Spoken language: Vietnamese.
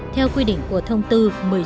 theo quy định của thông tư